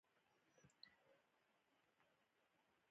د خپرولو حق له ځان سره ساتم.